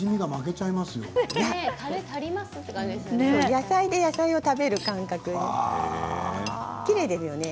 野菜で野菜を食べるような感じです。